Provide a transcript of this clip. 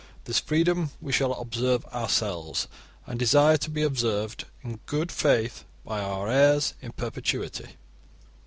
This freedom we shall observe ourselves, and desire to be observed in good faith by our heirs in perpetuity.